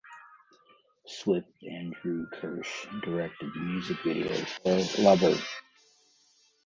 Swift and Drew Kirsch directed the music video for "Lover".